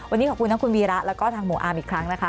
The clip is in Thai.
วันนี้ขอบคุณทั้งคุณวีระแล้วก็ทางหมู่อาร์มอีกครั้งนะคะ